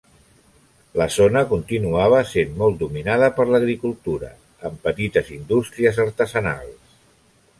La zona continuava sent molt dominada per l'agricultura, amb petites indústries artesanals.